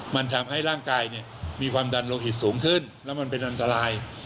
มันทำให้ร่างกายมีความดันโลหิตสูงขึ้นแล้วมันเป็นอันตราย